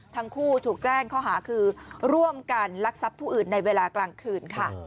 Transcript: ทั้งคู่ถูกแจ้งข้อหาคือร่วมกันลักทรัพย์ผู้อื่นในเวลากลางคืนค่ะ